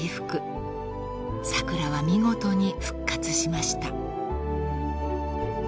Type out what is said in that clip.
［桜は見事に復活しました］